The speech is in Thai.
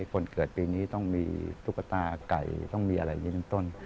คนเกิดปีนี้ต้องมีตุ๊กตาไก่ต้องมีอะไรอย่างนี้เป็นต้น